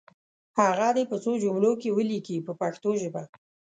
هغه دې په څو جملو کې ولیکي په پښتو ژبه.